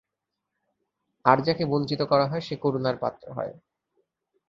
আর যাকে বঞ্চিত করা হয় সে করুণার পাত্র হয়।